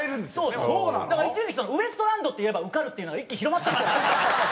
だから一時期ウエストランドって言えば受かるっていうのが一気に広まったんですよ。